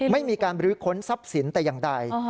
ไม่มีการบรื้อค้นทรัพย์สินแต่อย่างใด